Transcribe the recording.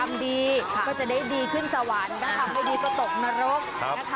ว่าทำดีก็จะได้ดีขึ้นสวรรค์ทำให้ดีประตบนรก